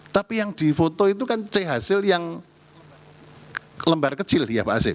tapi yang di foto itu kan hasil yang lembar kecil dia pak asep